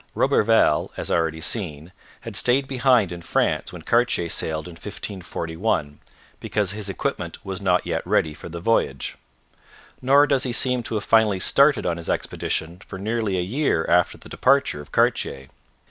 Roberval, as already seen, had stayed behind in France when Cartier sailed in 1541, because his equipment was not yet ready for the voyage. Nor does he seem to have finally started on his expedition for nearly a year after the departure of Cartier.